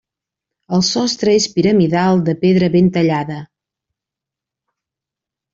El sostre és piramidal de pedra ben tallada.